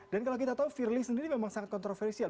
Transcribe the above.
dan kalau kita tahu firly sendiri memang sangat kontroversial